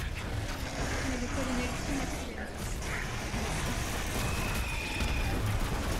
Mais le colonel Pontmercy avait écrit: Mon fils portera mon titre.